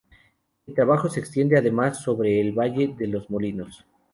El tajo se extiende además sobre el valle de los Molinos.